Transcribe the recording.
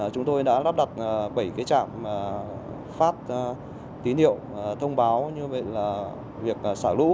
chúng tôi đã lắp đặt bảy trạm phát tín hiệu thông báo việc xả lũ